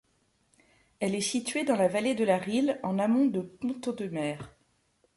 Elle est située dans la vallée de la Risle en amont de Pont-Audemer.